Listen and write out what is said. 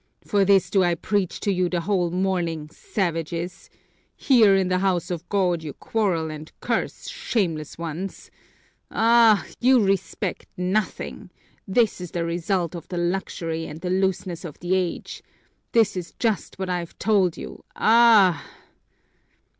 "For this do I preach to you the whole morning, savages! Here in the house of God you quarrel and curse, shameless ones! Aaaah! You respect nothing! This is the result of the luxury and the looseness of the age! That's just what I've told you, aah!"